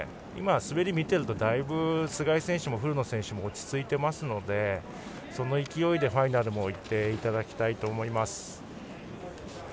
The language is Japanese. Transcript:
今、滑り見てるとだいぶ須貝選手も古野選手も落ち着いていますのでその勢いでファイナルに行っていただきたいと思います。